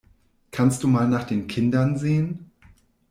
Kannst du mal nach den Kindern sehen?